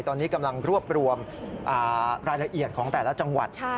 ตอนนี้กำลังรวบรวมรายละเอียดของแต่ละจังหวัด